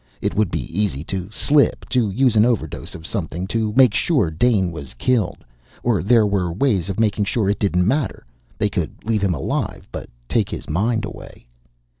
It would be easy to slip, to use an overdose of something, to make sure Dane was killed. Or there were ways of making sure it didn't matter. They could leave him alive, but take his mind away.